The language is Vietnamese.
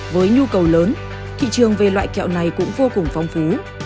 với nhu cầu lớn thị trường về loại kẹo này cũng vô cùng phong phú